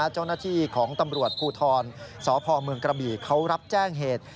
เจ้าหน้าที่ของตำรวจภูทรสพเมืองกระบี่เขารับแจ้งเหตุ